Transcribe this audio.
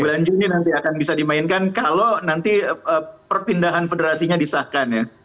bulan juni nanti akan bisa dimainkan kalau nanti perpindahan federasinya disahkan ya